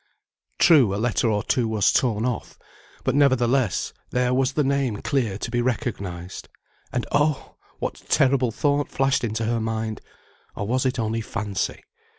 True, a letter or two was torn off, but, nevertheless, there was the name clear to be recognised. And oh! what terrible thought flashed into her mind; or was it only fancy?